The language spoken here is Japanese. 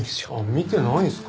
見てないんですか。